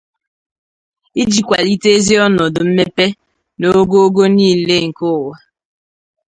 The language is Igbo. iji kwalite ezi ọnọdụ mmepe n'ogoogo niile nke ụwa.